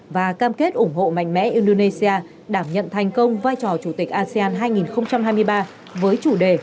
và cam kết ủng hộ mạnh mẽ indonesia đảm nhận thành công vai trò chủ tịch asean hai nghìn hai mươi ba với chủ đề